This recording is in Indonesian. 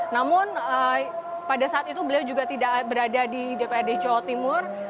namun pada saat itu beliau juga tidak berada di dprd jawa timur